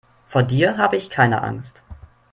Vor dir habe ich keine Angst.